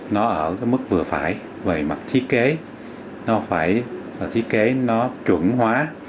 nó ở cái mức vừa phải về mặt thiết kế nó phải thiết kế nó chuẩn hóa